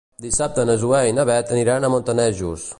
Dissabte na Zoè i na Bet aniran a Montanejos.